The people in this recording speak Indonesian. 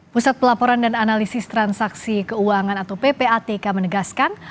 pusat pelaporan dan analisis transaksi keuangan atau ppatk menegaskan